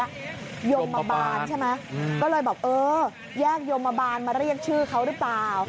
ยมมาบานใช่ไหมก็เลยแบบเออแยกยมบาลมาเรียกชื่อเขาหรือเปล่า